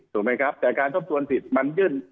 ถูกไหมครับแต่การทบทวนสิทธิ์มันยื่น